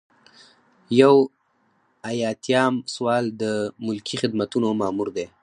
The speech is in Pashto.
یو ایاتیام سوال د ملکي خدمتونو مامور دی.